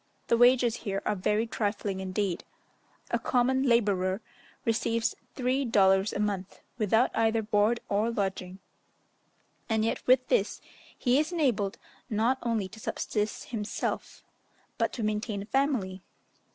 The wages here are very trifling indeed; a common labourer receives three dollars a month, without either board or lodging; and yet with this, he is enabled not only to subsist himself, but to maintain a family.